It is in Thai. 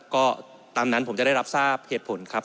ก็ตามนั้นผมจะได้รับทราบเหตุผลครับ